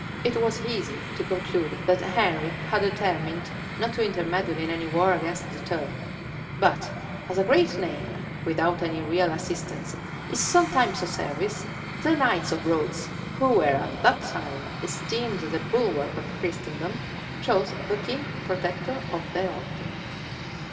It was easy to conclude that Henry had determined not to intermeddle in any war against the Turk; but as a great name, without any real assistance, is sometimes of service, the knights of Rhodes, who were at that time esteemed the bulwark of Christendom, chose the king protector of their order.